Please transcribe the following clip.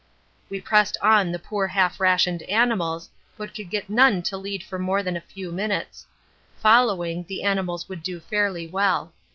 We pressed on the poor half rationed animals, but could get none to lead for more than a few minutes; following, the animals would do fairly well.